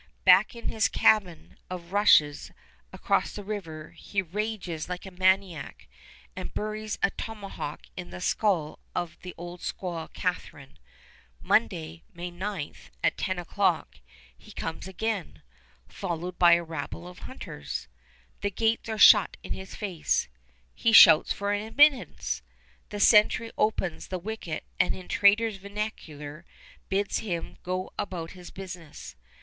Back in his cabin of rushes across the river he rages like a maniac and buries a tomahawk in the skull of the old squaw Catherine. Monday, May 9, at ten o'clock he comes again, followed by a rabble of hunters. The gates are shut in his face. He shouts for admittance. The sentry opens the wicket and in traders' vernacular bids him go about his business.